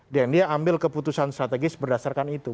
dan dia ambil keputusan strategis berdasarkan itu